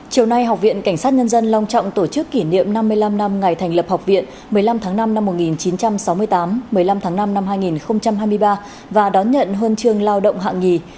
chiều nay học viện cảnh sát nhân dân long trọng tổ chức kỷ niệm năm mươi năm năm ngày thành lập học viện một mươi năm tháng năm năm một nghìn chín trăm sáu mươi tám một mươi năm tháng năm năm hai nghìn hai mươi ba và đón nhận huân chương lao động hạng nhì